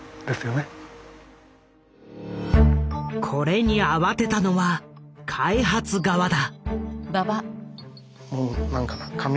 これに慌てたのは開発側だ。